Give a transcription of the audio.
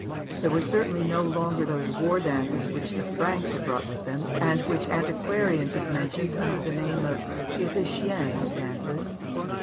They were certainly no longer those war dances which the Franks had brought with them, and which antiquarians have mentioned under the name of Pyrrhichienne dances.